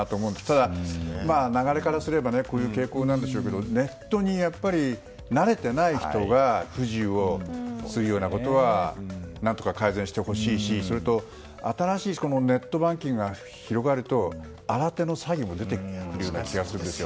ただ、流れからすればこういう傾向なんでしょうけどネットに慣れていない人が不自由をするようなことは何とか改善してほしいしそれと新しいネットバンキングが広がると、新手の詐欺も出てくる気がするんですよ。